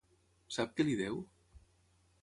Sap què li deu?